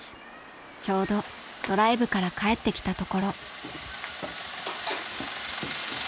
［ちょうどドライブから帰ってきたところ］